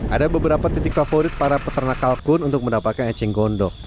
ada beberapa titik favorit para peternak kalkun untuk mendapatkan eceng gondok